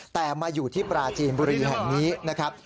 แต่มาอยู่ที่ปราจีนบุรีแห่งนี้นะครับ